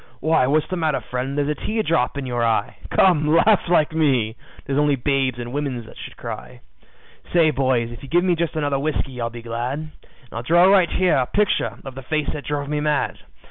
Why, what's the matter, friend? There's a tear drop in you eye, Come, laugh like me. 'Tis only babes and women that should cry. "Say, boys, if you give me just another whiskey I'll be glad, And I'll draw right here a picture of the face that drove me mad.